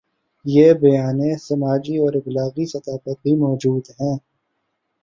یہ بیانیے سماجی اور ابلاغی سطح پر بھی موجود ہیں۔